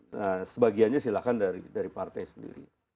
nah sebagiannya silahkan dari partai sendiri